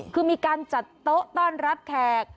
คือมีการจัดโต๊ะต้อนรับแขก